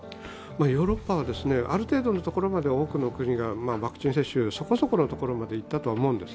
ヨーロッパはある程度のところまでは多くの国がワクチン接種そこそこのところまでいったとは思うんです。